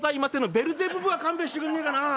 「ベルゼブブは勘弁してくんねえかなあ。